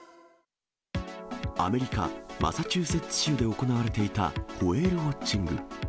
アメリカ・マサチューセッツ州で行われていたホエールウォッチング。